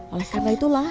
oleh karena itulah